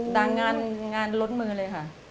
ด่างงานรสมือเลยครับ